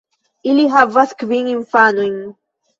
Ili havas kvin infanojn.